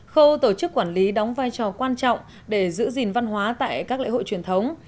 khâu tổ chức quản lý đóng vai trò quan trọng để giữ gìn văn hóa tại các lễ hội truyền thống